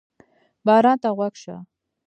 باران ته غوږ شه.